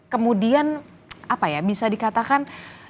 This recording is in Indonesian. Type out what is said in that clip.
kemudian apa ya bisa dikatakan